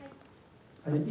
はい。